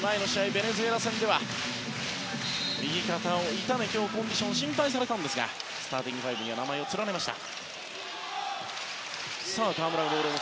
ベネズエラ戦では右肩を痛めてコンディションが心配されたんですがスターティングファイブには名前を連ねました。